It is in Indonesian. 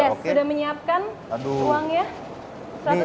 yes sudah menyiapkan uangnya